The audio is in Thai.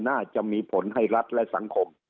น่าจะมีผลให้รัฐและสังคม